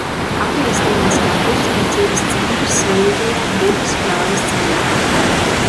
Attīstījās kā tirdzniecības centrs svarīgajā Budas–Prāgas ceļā.